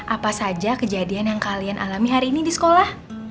apa saja kejadian yang kalian alami hari ini di sekolah